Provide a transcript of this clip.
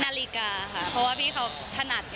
นาฬิกาค่ะเพราะว่าพี่เค้าถนัดเนี่ย